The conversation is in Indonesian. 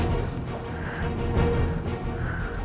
kondisi henry sudah membaik ya pak